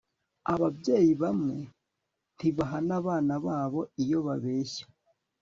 Ababyeyi bamwe ntibahana abana babo iyo babeshya